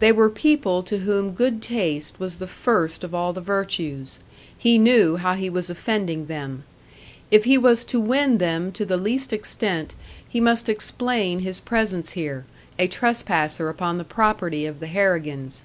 They were people to whom good taste was the first of all the virtues; he knew how he was offending them. If he was to win them to the least extent, he must explain his presence here a trespasser upon the property of the Harrigans.